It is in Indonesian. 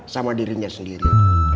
sama dirinya sendiri